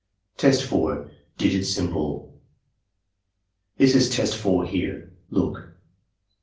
Test 4.— Digit Symbol "This is Test 4 here. Look."